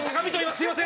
すみません